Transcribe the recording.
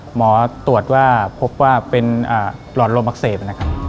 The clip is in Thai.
หมอตรวจว่าพบว่าเป็นหลอดลมอักเสบนะครับ